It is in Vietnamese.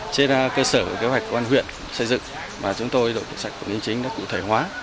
trên cơ sở kế hoạch quan huyện xây dựng mà chúng tôi đội tự sạch quản lý chính đã cụ thể hóa